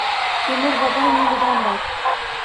Temur bobong yoʻlidan bor...